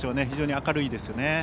非常に明るいですね。